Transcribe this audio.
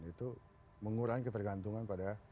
itu mengurangi ketergantungan